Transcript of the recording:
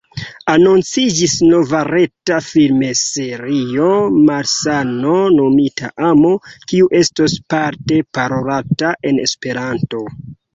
Anonciĝis nova reta filmserio, “Malsano Nomita Amo”, kiu estos parte parolata en Esperanto.